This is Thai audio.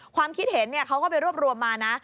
ความคิดเห็นเขาก็ไปรวบรวมมานะ